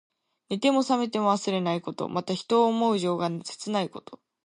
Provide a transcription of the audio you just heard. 寝ても冷めても忘れないこと。また、人を思う情が切ないこと。